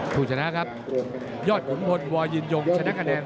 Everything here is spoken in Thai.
ผู้ชนะครับยอดขุนพลวอยืนยงชนะคะแนน